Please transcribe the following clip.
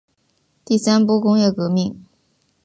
第三波工业革命